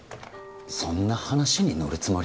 そんな話に乗るつもり？